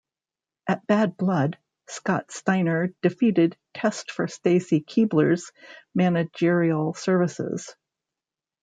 At Bad Blood, Scott Steiner defeated Test for Stacy Keibler's managerial services.